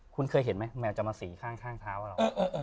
คุณเคยเห็นไหมแมวจะมาสีข้างเท้าเรา